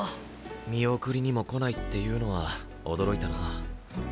見送りにも来ないっていうのは驚いたな。